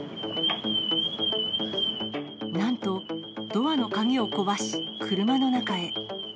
なんと、ドアの鍵を壊し、車の中へ。